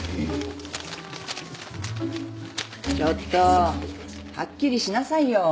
ちょっとはっきりしなさいよ。